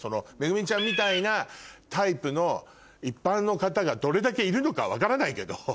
ＭＥＧＵＭＩちゃんみたいなタイプの一般の方がどれだけいるのか分からないけど。